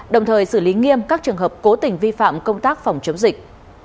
đồng thời xử lý nghiêm các trường hợp cố tình vi phạm công tác phòng chống dịch